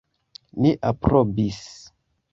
Ni aprobis.